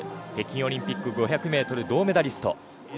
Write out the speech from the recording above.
北京オリンピック５００ｍ銅メダリスト。